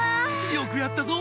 よくやったぞ。